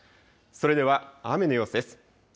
それでは雨の様子です。